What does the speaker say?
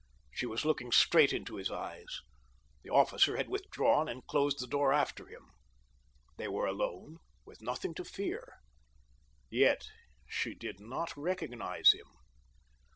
She was looking straight into his eyes. The officer had withdrawn and closed the door after him. They were alone, with nothing to fear; yet she did not recognize him.